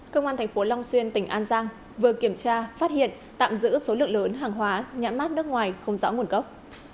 cơ quan thành phố long xuyên tỉnh an giang vừa kiểm tra phát hiện tạm giữ số lượng lớn hàng hóa nhãn mát nước ngoài không rõ nguồn gốc